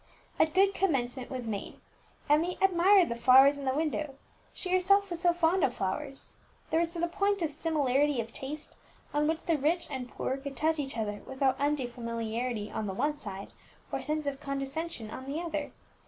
A good commencement was made; Emmie admired the flowers in the window, she herself was so fond of flowers; there was the point of similarity of taste on which the rich and poor could touch each other without undue familiarity on the one side, or sense of condescension on the other.